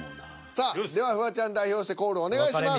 さあではフワちゃん代表してコールお願いします。